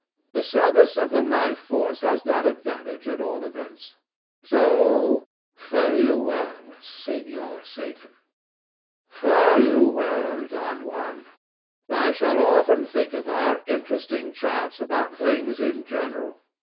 The service of the Life Force has that advantage, at all events. So fare you well, Senor Satan. THE DEVIL. [amiably] Fare you well, Don Juan. I shall often think of our interesting chats about things in general.